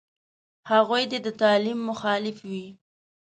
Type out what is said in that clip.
هغوی دې د تعلیم مخالف وي.